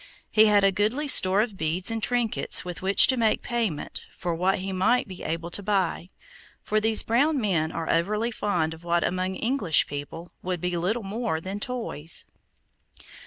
He had a goodly store of beads and trinkets with which to make payment for what he might be able to buy, for these brown men are overly fond of what among English people would be little more than toys.